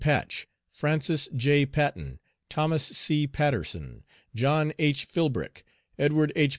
Patch, Francis J. Patten, Thomas C. Patterson, John H. Philbrick, Edward H.